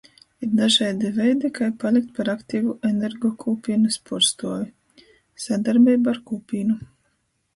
Ir dažaidi veidi, kai palikt par aktivu energokūpīnys puorstuovi. Sadarbeiba ar kūpīnu.